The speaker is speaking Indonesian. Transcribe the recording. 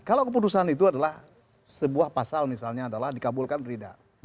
kalau keputusan itu adalah sebuah pasal misalnya adalah dikabulkan tidak